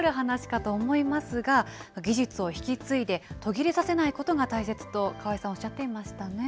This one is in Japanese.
人材の育成、とても時間がかかる話かと思いますが、技術を引き継いで、途切れさせないことが大切と川井さんおっしゃっていましたね。